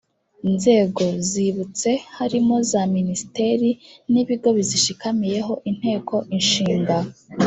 nzego zibutse harimo za minisiteri n ibigo bizishamikiyeho inteko ishinga